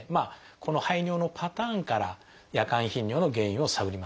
この排尿のパターンから夜間頻尿の原因を探ります。